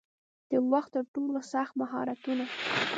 د وخت ترټولو سخت مهارتونه